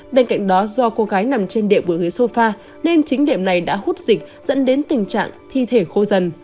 bên cạnh đó do cô gái nằm trên điểm của người sofa nên chính điểm này đã hút dịch dẫn đến tình trạng thi thể khô dần